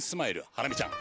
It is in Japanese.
ハラミちゃん